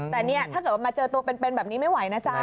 แต่เนี่ยถ้าเกิดว่ามาเจอตัวเป็นแบบนี้ไม่ไหวนะจ๊ะ